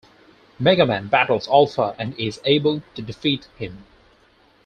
Megaman battles Alpha, and is able to defeat him.